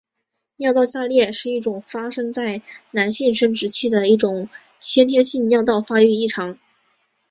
尿道下裂是一种发生在男性生殖器的一种先天性尿道发育异常。